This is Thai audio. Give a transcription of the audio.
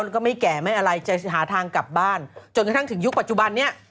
แล้วก็ไม่แก่ไม่อะไรจะหาทางกลับบ้านจนกระทั่งถึงยุคปัจจุบันนี้